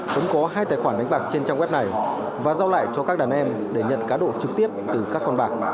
cũng có hai tài khoản đánh bạc trên trang web này và giao lại cho các đàn em để nhận cá độ trực tiếp từ các con bạc